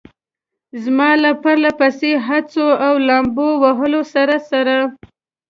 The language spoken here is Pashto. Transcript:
زما له پرله پسې هڅو او لامبو وهلو سره سره.